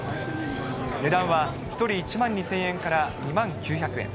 値段は１人１万２０００円から２万９００円。